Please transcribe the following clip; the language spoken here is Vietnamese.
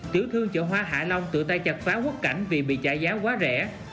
tiểu thương chợ hoa hạ long tựa tay chặt phá quốc cảnh vì bị trả giá quá rẻ